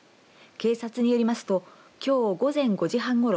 警察によりますときょう午前５時半ごろ